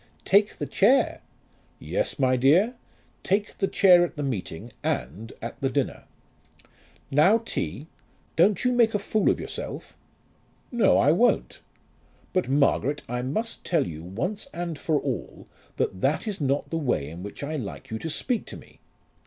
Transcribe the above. "Take the chair!" "Yes, my dear, take the chair at the meeting and at the dinner." "Now, T., don't you make a fool of yourself." "No, I won't; but Margaret, I must tell you once for all that that is not the way in which I like you to speak to me.